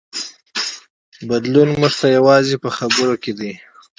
بدلون موږ ته یوازې په خبرو کې دی.